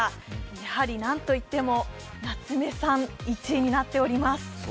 やはり何といっても夏目さん、１位になっております。